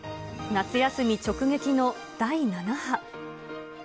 夏休み直撃の第７波。